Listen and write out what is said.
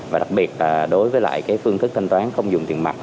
và đặc biệt đối với lại cái phương thức thanh toán không dùng tiền mặt